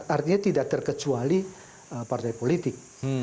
artinya tidak terkecuali partai politik